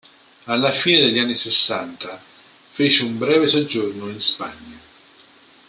Alla fine degli anni Sessanta fece un breve soggiorno in Spagna.